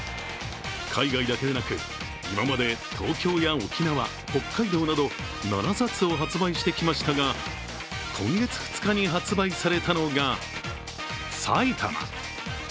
海外だけでなく、今まで東京や沖縄、北海道など７冊を発売してきましたが今月２日に発売されたのが埼玉。